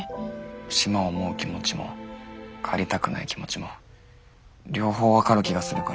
島を思う気持ちも帰りたくない気持ちも両方分かる気がするから。